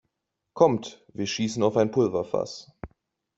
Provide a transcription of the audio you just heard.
Kommt, wir schießen auf ein Pulverfass!